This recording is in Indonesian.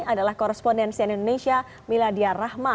adalah korespondensian indonesia miladia rahma